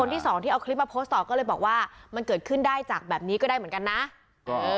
ที่สองที่เอาคลิปมาโพสต์ต่อก็เลยบอกว่ามันเกิดขึ้นได้จากแบบนี้ก็ได้เหมือนกันนะเออ